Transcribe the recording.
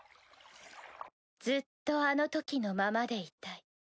ずっとあのときのままでいたい。